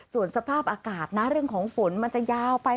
ส่วนสภาพอากาศนะเรื่องของฝนมันจะยาวไป